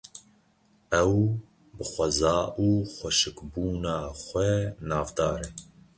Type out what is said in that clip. Ew bi xweza û xweşikbûna xwe navdar e.